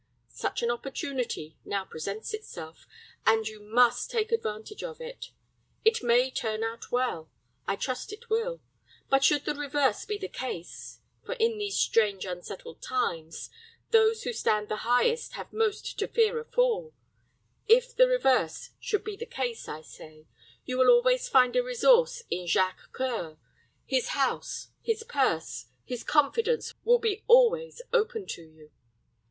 Such an opportunity now presents itself, and you must take advantage of it. It may turn out well; I trust it will; but, should the reverse be the case for in these strange, unsettled times, those who stand the highest have most to fear a fall if the reverse should be the case, I say, you will always find a resource in Jacques C[oe]ur; his house, his purse, his confidence will be always open to you.